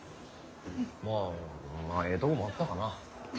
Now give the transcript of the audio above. まあええとこもあったかな。